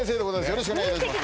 よろしくお願いいたします分析